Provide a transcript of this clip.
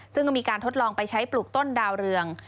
ซึ่งก็มีการทดลองไปใช้ปลูกต้นดาวเรือง